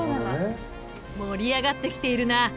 盛り上がってきているな。